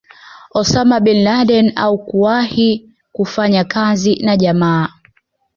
Osama Bin Laden au kuwahi kufanya kazi na jamaa